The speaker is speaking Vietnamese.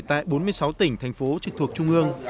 tại bốn mươi sáu tỉnh thành phố trực thuộc trung ương